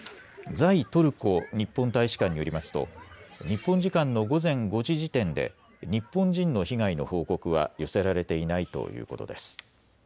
在トルコ日本大使館によりますと日本時間の午前５時時点で日本人の被害の報告は寄せられていないということです。